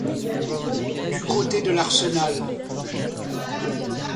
Du côté de l'Arsenal.